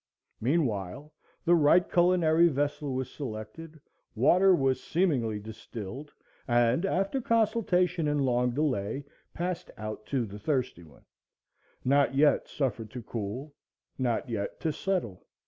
Meanwhile the right culinary vessel was selected, water was seemingly distilled, and after consultation and long delay passed out to the thirsty one,—not yet suffered to cool, not yet to settle.